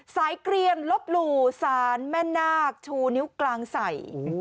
เกลียนลบหลู่สารแม่นาคชูนิ้วกลางใส่